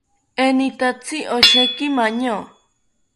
Enitatzi osheki maño